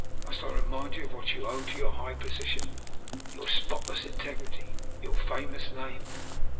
"Must I remind you of what you owe to your high position, your spotless integrity, your famous name?